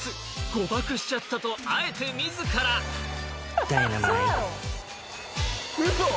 誤爆しちゃったとあえて自らダイナマイト！